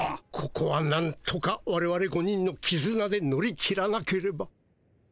ここはなんとかわれわれ５人のきずなで乗り切らなければ。